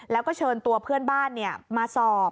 แล้วก็เชิญตัวเพื่อนบ้านมาสอบ